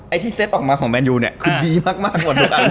ไอ้ที่เซ็ตออกมาของแมนยูเนี่ยคือดีมาก